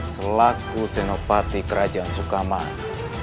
selaku senopati kerajaan sukamang